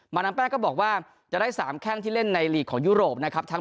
ดามแป้งก็บอกว่าจะได้๓แข้งที่เล่นในลีกของยุโรปนะครับ